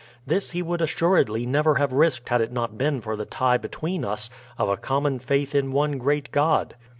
This he would assuredly never have risked had it not been for the tie between us of a common faith in one great God."